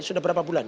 sudah berapa bulan